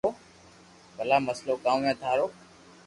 ڀلا مسلو ڪاو ھي ٿارو